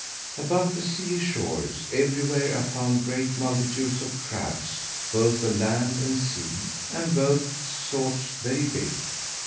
About the sea shores, everywhere, are found great multitudes of crabs, both of land and sea, and both sorts very big.